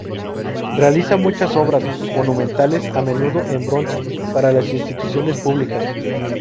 Realiza muchas obras monumentales, a menudo en bronce, para las instituciones públicas.